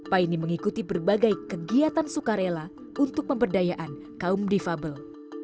paine mengikuti berbagai kegiatan sukarela untuk pemberdayaan kaum difabel